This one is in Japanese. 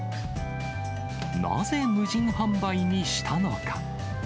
なぜ、無人販売にしたのか。